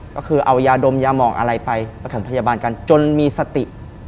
ก็คือเอายาดมยามองอะไรไปประถมพยาบาลกันจนมีสติ